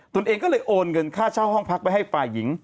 ตัวเองก็เลยโอนเงินค่าเช่าห้องพักไปให้ฝ่ายหญิง